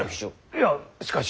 いやしかし。